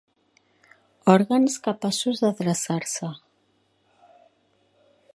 Òrgans capaços de dreçar-se.